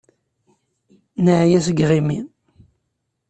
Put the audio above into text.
Neεya seg yiɣimi.